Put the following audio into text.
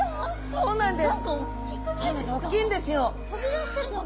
そうなんです。